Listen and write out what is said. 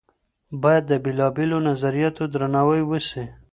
بايد د بېلابېلو نظرياتو درناوی وسي.